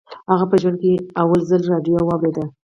هغه په ژوند کې لومړي ځل راډیو واورېده